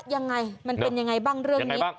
ยังไงมันเป็นยังไงบ้างเรื่องนี้